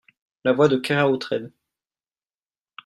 La voix de Keraotred.